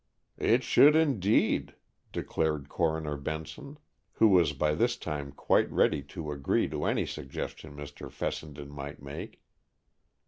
"It should, indeed," declared Coroner Benson, who was by this time quite ready to agree to any suggestion Mr. Fessenden might make.